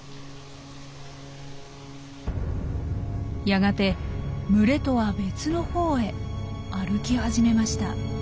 やがて群れとは別のほうへ歩き始めました。